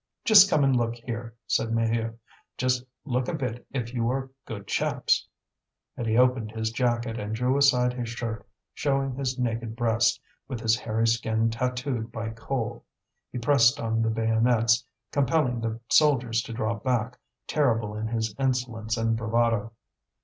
"Just come and look here," said Maheu; "just look a bit if you are good chaps!" And he opened his jacket and drew aside his shirt, showing his naked breast, with his hairy skin tattooed by coal. He pressed on the bayonets, compelling the soldiers to draw back, terrible in his insolence and bravado.